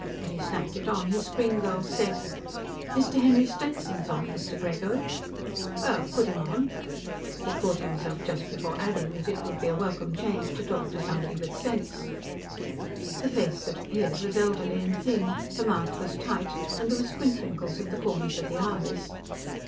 When he snapped it on, his screen girl said: "Mr. Henry Stenson's on, Mr. Grego." "Well, put him on." He caught himself just before adding that it would be a welcome change to talk to somebody with sense. The face that appeared was elderly and thin; the mouth was tight, and there were squint wrinkles at the corners of the eyes.